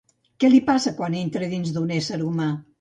Què li passa quan entra dins un ésser humà?